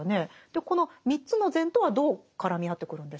この３つの善とはどう絡み合ってくるんでしょうか？